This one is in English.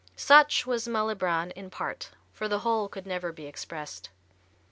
Such was Malibran in part, for the whole could never be expressed."